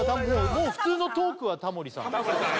もう普通のトークはタモリさん